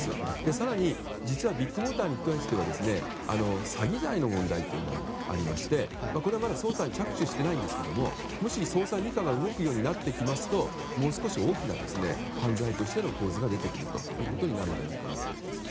更にビッグモーターに関しては詐欺罪の問題というのがありましてこれはまだ捜査に着手していないんですがこれがまた捜査２課が動くようになってきますともう少し大きな犯罪としての構図が出てくることになるんじゃないかなと思います。